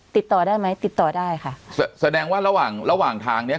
ติดต่อได้ไหมติดต่อได้ค่ะแสดงว่าระหว่างระหว่างทางเนี้ย